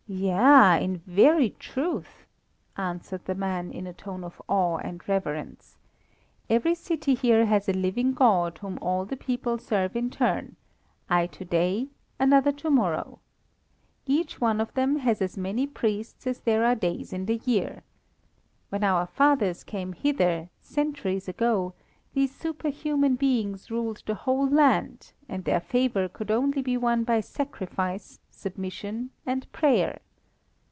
"Yea, in very truth," answered the man, in a tone of awe and reverence. "Every city here has a living god whom all the people serve in turn I to day, another to morrow. Each one of them has as many priests as there are days in the year. When our fathers came hither, centuries ago, these superhuman beings ruled the whole land and their favour could only be won by sacrifice, submission, and prayer.